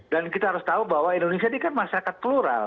dan kita harus tahu bahwa indonesia ini kan masyarakat plural